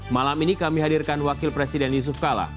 malam ini kami hadirkan wakil presiden yusuf kala